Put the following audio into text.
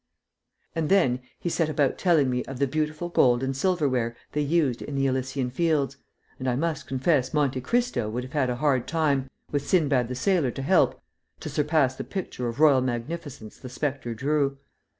And then he set about telling me of the beautiful gold and silver ware they used in the Elysian Fields, and I must confess Monte Cristo would have had a hard time, with Sindbad the Sailor to help, to surpass the picture of royal magnificence the spectre drew.